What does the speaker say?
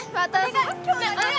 お願い